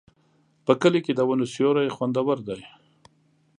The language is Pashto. په کلي کې د ونو سیوري خوندور دي.